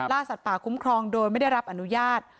สัตว์ป่าคุ้มครองโดยไม่ได้รับอนุญาต